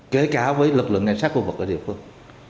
kể cả với lực lượng ngay sát khu vực ở địa phương